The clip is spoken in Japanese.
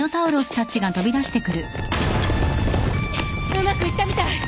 うまくいったみたい。